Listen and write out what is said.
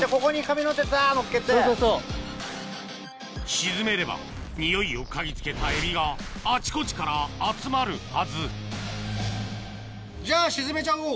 沈めればニオイを嗅ぎつけたエビがあちこちから集まるはずじゃあ沈めちゃおう。